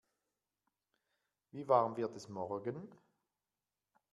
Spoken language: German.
Wie warm wird es morgen?